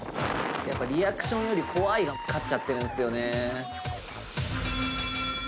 「リアクションより怖いが勝っちゃってるんですよ」